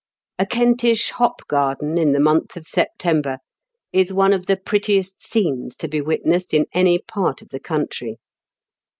A Kentish hop garden, in the month of September, is one of the prettiest scenes to be witnessed in any part of the country.